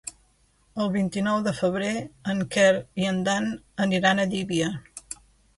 El vint-i-nou de febrer en Quer i en Dan aniran a Llívia.